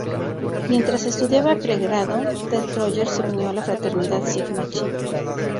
Mientras estudiaba pregrado, Ted Rogers se unió a la fraternidad Sigma Chi.